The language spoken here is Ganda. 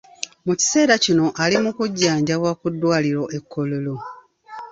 Mu kiseera kino ali mu kujjanjabwa ku ddwaliro e Kololo.